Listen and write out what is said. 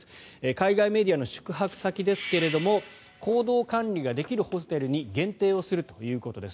海外メディアの宿泊先ですが行動管理ができるホテルに限定をするということです。